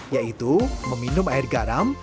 yaitu meminum air garam